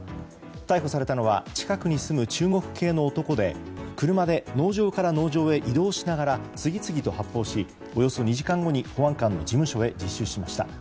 逮捕されたのは近くに住む中国系の男で車で農場から農場へ移動しながら次々と発砲し、およそ２時間後に保安官の事務所へ自首しました。